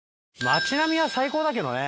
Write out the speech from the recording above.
街並みは最高だけどね。